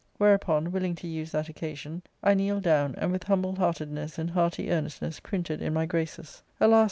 Whereupon, willing to use that occasion, I* kneeled down, and, with humble heartedness and hearty earnestness printed m my graces, Alas